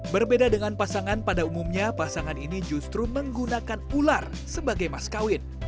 berbeda dengan pasangan pada umumnya pasangan ini justru menggunakan ular sebagai maskawin